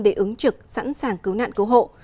để ứng trực sẵn sàng cứu nạn cứu hộ